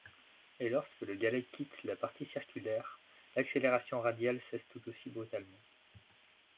Et lorsque le galet quitte la partie circulaire, l'accélération radiale cesse tout aussi brutalement.